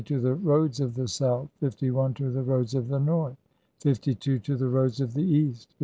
to the Roads of the South, 51. to the Roads of the North, 3 52. to the Roads of the East, 53.